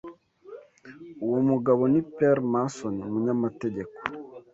Uwo mugabo ni Perry Mason, umunyamategeko.